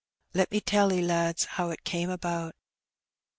Let me tell 'e, lads, how it came about.